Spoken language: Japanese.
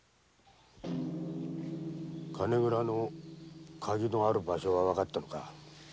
金蔵の鍵のある場所はわかったのかい？